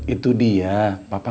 itu dia papa tau